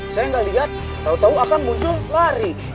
saya gak lihat tau tau akan muncul lari